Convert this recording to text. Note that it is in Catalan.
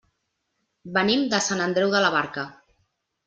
Venim de Sant Andreu de la Barca.